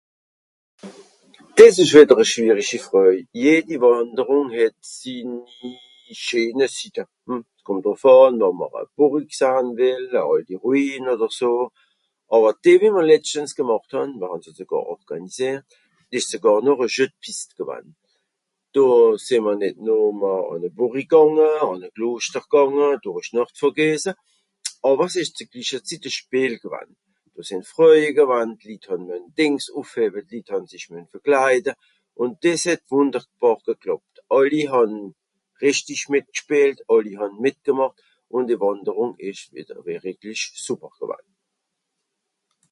des esch wieder e schwierischi freuj jedi Wànderung het sinni scheene site hmm 's kommt drùff àn, wànn mr e Bùrig sahn wìll e àlti ruine oder so àwer die wie m'r letschtens gemàcht hàn mr hàn se sogàr organisiert esch sogàr noch a jeu de piste gewann do sem'r nìt nom an e bùri gànge àn e kloschter gànge dùrich d'Nordvogese àwer 's esch zu glichezit a spiel gewann do sìn freuje gewann d'Lit hàn muen Dìngs ùffhewe d'Lit hàn sech muen verklaide un des het wunderbàr geklàppt àlli hàn rìchtig mìtgspielt alli hàn mìtgemàcht un die Wànderung esch wieder weriklich sùper gewann